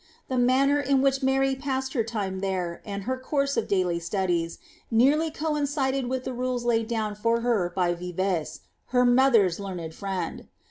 Thi manner in which Mary passed her time there, and her course of dnij studies, nearly coincided with the rules laid down for her by ViTes,h0 mother^s learned friend.